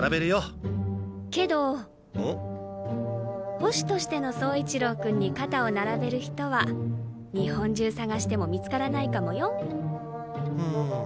捕手としての走一郎君に肩を並べる人は日本中さがしても見つからないかもよ。